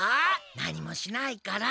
何もしないから。